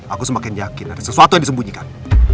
aku semakin yakin ada sesuatu yang disembunyikan